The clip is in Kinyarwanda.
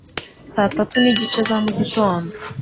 saa tatu n'igice za mu gitondo.